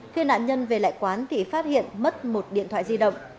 khi nạn nhân về lại quán thì phát hiện mất một điện thoại di động